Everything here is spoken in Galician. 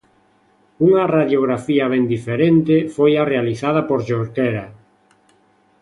Unha radiografía ben diferente foi a realizada por Jorquera.